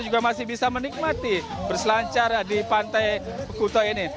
juga masih bisa menikmati berselancar di pantai kuto ini